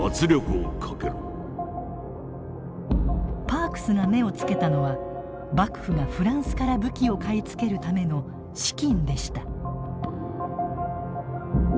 パークスが目をつけたのは幕府がフランスから武器を買い付けるための資金でした。